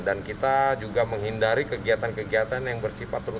dan kita juga menghindari kegiatan kegiatan yang bersifat terutama